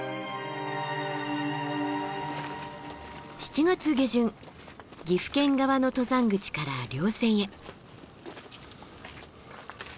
７月下旬岐阜県側の登山口から稜線へ。